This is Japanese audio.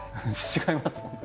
違いますもんね。